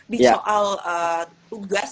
di soal tugas